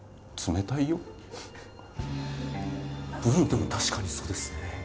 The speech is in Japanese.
でも確かにそうですね。